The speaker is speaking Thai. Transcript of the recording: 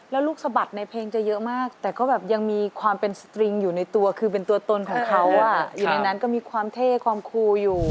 แล้วลูกสะบัดในเพลงจะเยอะมากแต่ก็แบบยังมีความเป็นสตริงอยู่ในตัวคือเป็นตัวตนของเขาอยู่ในนั้นก็มีความเท่ความคูอยู่